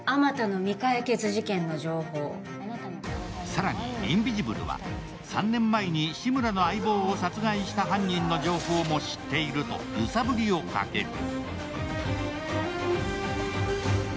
更に、インビジブルは３年前に志村の相棒を殺害した犯人の情報も知っていると揺さぶりをかける。